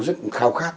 rất khao khát